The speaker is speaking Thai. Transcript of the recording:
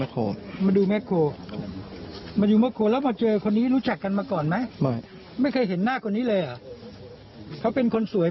ทำไมถึงต้องเอาชีวิตกันแล้ว